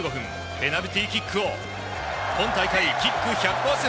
ペナルティーキックを今大会キック１００％